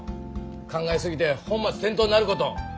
考え過ぎて本末転倒になる事。